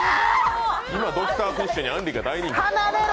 今、ドクターフィッシュにあんりが大人気。